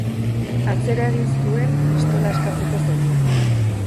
Atzera egin zuen, pistola askatzeko zorian.